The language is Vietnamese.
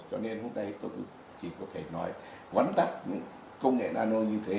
cho nên hôm nay tôi chỉ có thể nói vấn đắc công nghệ nano như thế